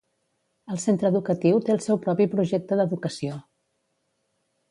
El centre educatiu té el seu propi projecte d'educació.